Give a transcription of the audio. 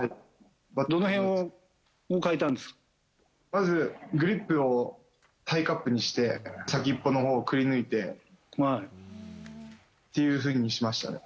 まず、グリップをタイカップにして、先っぽのほうをくりぬいてっていうふうにしましたね。